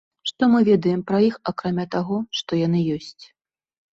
Што мы ведаем пра іх акрамя таго, што яны ёсць?